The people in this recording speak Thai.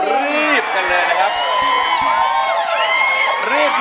รีบกันเลยนะครับ